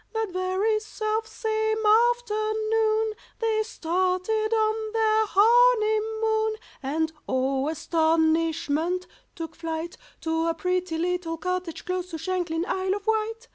That very self same afternoon They started on their honeymoon, And (oh, astonishment!) took flight To a pretty little cottage close to Shanklin, Isle of Wight.